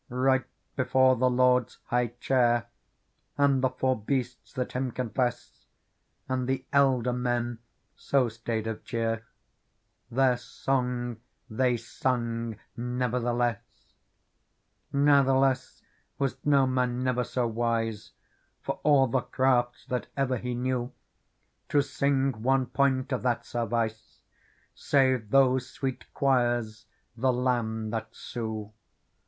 Right before the Lord's high chair. And the four Beasts that Him confess And the Elder men so staid of cheerj Their song they sungen never the less '' Natheless was no man never so wise, For all the crafts that ever he knew, To sing one point of that service. Save those sweet choirs the Lamb that sue.